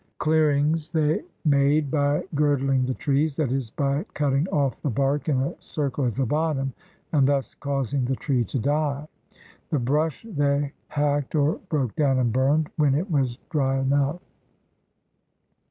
Clearings they made by girdling the trees, that is, by cutting off the bark in a circle at the bottom and thus causing the tree to die. The brush they hacked or broke down and burned when it was dry enough.